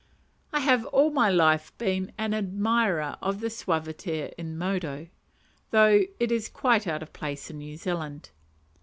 I have all my life been an admirer of the suaviter in modo; though it is quite out of place in New Zealand.